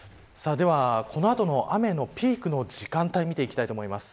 この後の雨のピークの時間帯を見ていきたいと思います。